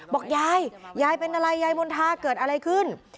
บอกยายยายเป็นอะไรยายมณฑาเกิดอะไรขึ้น